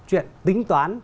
chuyện tính toán